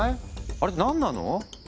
あれって何なの？